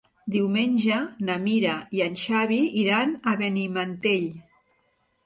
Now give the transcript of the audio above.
Diumenge na Mira i en Xavi iran a Benimantell.